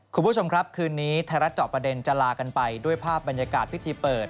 คุณผู้ชมครับคืนนี้ไทยรัฐเจาะประเด็นจะลากันไปด้วยภาพบรรยากาศพิธีเปิด